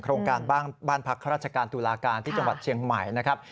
โครงการบ้านพักข้าราชการตุลาการที่จังหวัดเชียงใหม่นะครับ